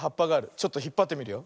ちょっとひっぱってみるよ。